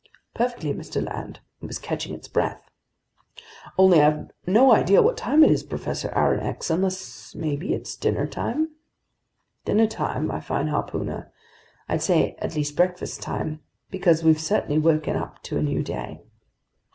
"Perfectly, Mr. Land. It was catching its breath!" "Only I've no idea what time it is, Professor Aronnax, unless maybe it's dinnertime?" "Dinnertime, my fine harpooner? I'd say at least breakfast time, because we've certainly woken up to a new day."